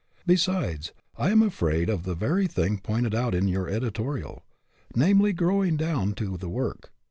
Besides, I am afraid of the very thing pointed out in your editorial ; namely, growing down to the work.